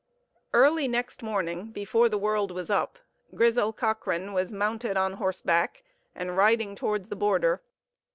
Early next morning, before the world was up, Grizel Cochrane was mounted on horseback and riding towards the border.